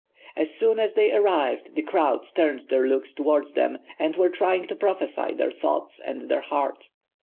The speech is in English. As soon as they arrived tin: cnnvds turned tiicir looks toward them and were trying to prophesy their thoughts and their heart.